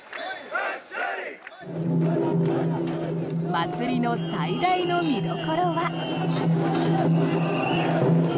祭りの最大の見どころは。